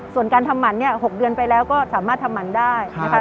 ส่วนการทำหมัน๖เดือนไปแล้วก็สามารถทำหมันได้